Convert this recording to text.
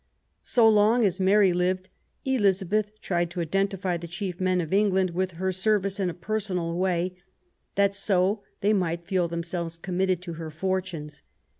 So long as Mary lived, Elizabeth tried to identify the chief men of England with her service in a personal way, that so they might feel themselves committed to her fortunes.